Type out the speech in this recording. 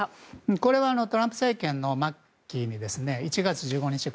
これはトランプ政権の末期に今年の１月１５日